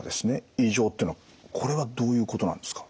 異常っていうのはこれはどういうことなんですか？